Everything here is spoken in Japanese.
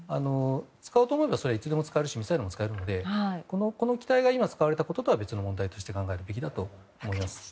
使おうと思えばいつでも使えますしミサイルも使えるのでこの機体が今使われたこととは別の問題として考えるべきだと思います。